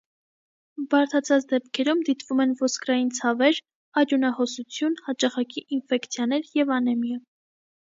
Բարդացած դեպքերում դիտվում են ոսկրային ցավեր, արյունահոսություն, հաճախակի ինֆեկցիաներ և անեմիա։